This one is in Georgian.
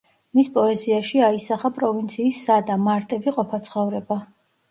მის პოეზიაში აისახა პროვინციის სადა, მარტივი ყოფა-ცხოვრება.